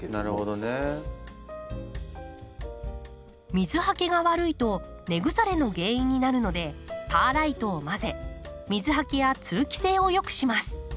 水はけが悪いと根腐れの原因になるのでパーライトを混ぜ水はけや通気性を良くします。